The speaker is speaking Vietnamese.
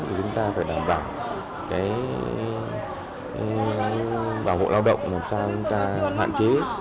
chúng ta phải đảm bảo bảo hộ lao động làm sao chúng ta hạn chế